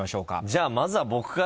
じゃあまずは僕から。